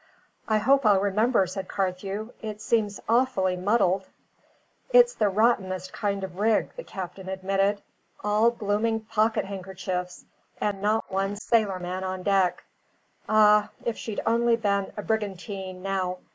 "I hope I'll remember," said Carthew. "It seems awfully muddled." "It's the rottenest kind of rig," the captain admitted: "all blooming pocket handkerchiefs! And not one sailor man on deck! Ah, if she'd only been a brigantine, now!